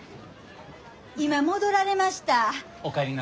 今戻られました。